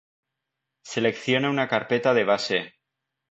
seleccione una carpeta de base